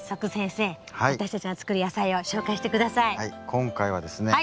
今回はですね